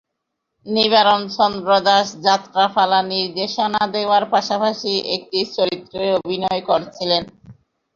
নিবারণ চন্দ্র দাস যাত্রাপালা নির্দেশনা দেওয়ার পাশাপাশি একটি চরিত্রে অভিনয় করছিলেন।